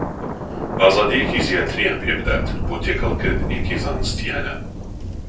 ئازادییەکی زیاتریان پێ بدات بۆ تێکەڵکردنێکی زانستییانە